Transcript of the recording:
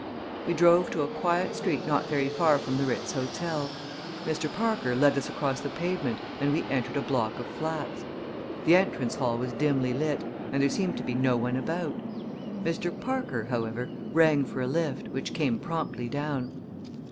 We drove to a quiet street not very far from the Ritz Hotel. Mr. Parker led us across the pavement and we entered a block of flats. The entrance hall was dimly lit and there seemed to be no one about. Mr. Parker, however, rang for a lift, which came promptly down.